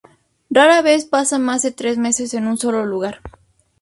Rara vez pasa más de tres meses en un solo lugar.